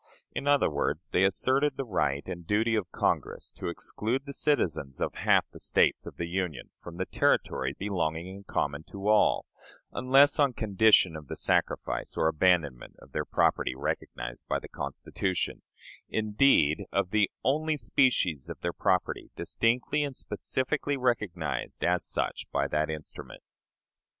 In other words, they asserted the right and duty of Congress to exclude the citizens of half the States of the Union from the territory belonging in common to all, unless on condition of the sacrifice or abandonment of their property recognized by the Constitution indeed, of the only species of their property distinctly and specifically recognized as such by that instrument.